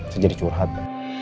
saya jadi curhat